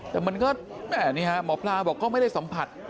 แต่มันก็หมอพลาบอกก็ไม่ได้สัมผัส